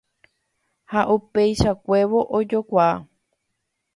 Ha upeichakuévo ojokuaa.